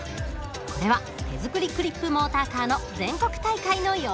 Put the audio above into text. これは手作りクリップモーターカーの全国大会の様子。